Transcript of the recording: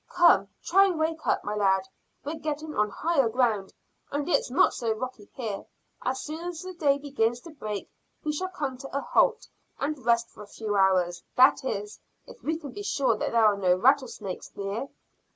"Come, try and wake up, my lad; we're getting on higher ground, and it's not so rocky here. As soon as day begins to break we shall come to a halt, and rest for a few hours that is, if we can be sure that there are no rattlesnakes near."